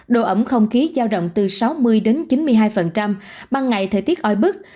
đồ ẩm không khí giao động từ sáu mươi chín mươi hai bằng ngày thời tiết oi bức